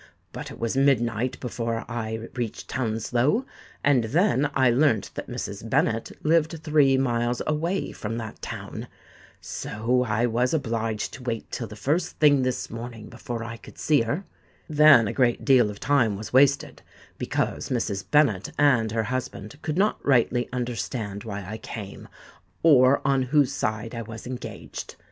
But it was midnight before I reached Hounslow; and then I learnt that Mrs. Bennet lived three miles away from that town. So I was obliged to wait till the first thing this morning before I could see her. Then a great deal of time was wasted, because Mrs. Bennet and her husband could not rightly understand why I came, or on whose side I was engaged.